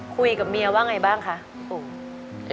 คุยกับเมียว่าไงบ้างคะปู่